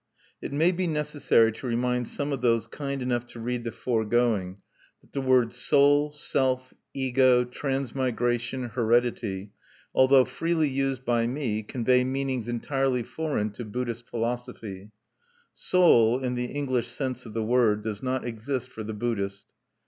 It may be necessary to remind some of those kind enough to read the foregoing that the words "soul," "self," "ego," "transmigration," "heredity," although freely used by me, convey meanings entirely foreign to Buddhist philosophy, "Soul," in the English sense of the word, does not exist for the Buddhist.